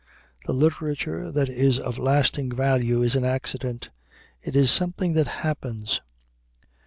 The literature that is of lasting value is an accident. It is something that happens.